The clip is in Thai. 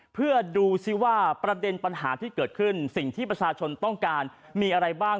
เพื่อดูสิว่าประเด็นปัญหาที่เกิดขึ้นสิ่งที่ประชาชนต้องการมีอะไรบ้าง